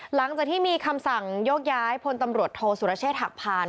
หลังจากที่มีคำสั่งโยกย้ายพลตำรวจโทษสุรเชษฐหักพาน